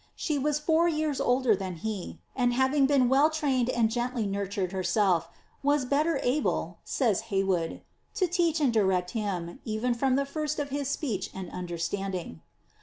She was four years older than he, and having been well trained and gently nurtured her self, w^as ^ better able," says Hey wood, " to teach and direct him, even bom the first of his speech and understanding."